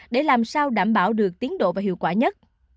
để làm sao đảm bảo được tiến độ và hiệu quả nhất